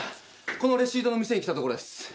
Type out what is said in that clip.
このレシートの店に来たところです。